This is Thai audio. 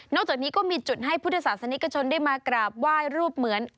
จากนี้ก็มีจุดให้พุทธศาสนิกชนได้มากราบไหว้รูปเหมือน